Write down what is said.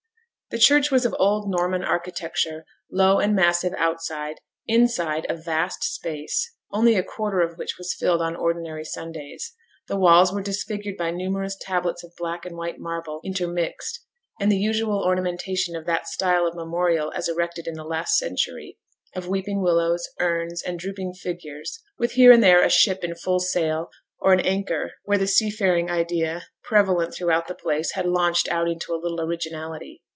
The church was of old Norman architecture; low and massive outside: inside, of vast space, only a quarter of which was filled on ordinary Sundays. The walls were disfigured by numerous tablets of black and white marble intermixed, and the usual ornamentation of that style of memorial as erected in the last century, of weeping willows, urns, and drooping figures, with here and there a ship in full sail, or an anchor, where the seafaring idea prevalent through the place had launched out into a little originality.